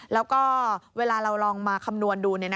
แล้วก็เวลาเราลองมาคำนวณดู